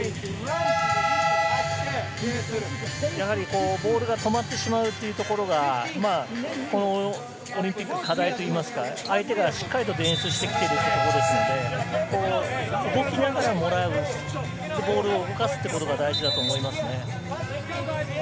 やはりボールが止まってしまうというところが、このオリンピック、課題といいますか、相手がしっかりディフェンスしてきているところですので、動きながらもらう、ボールを動かすということが大事だと思います。